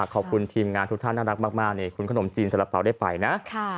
ขอบคุณทีมงานทุกท่านน่ารักมากนี่คุณขนมจีนสารเป๋าได้ไปนะ